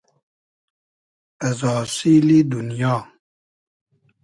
از آسیلی دونیا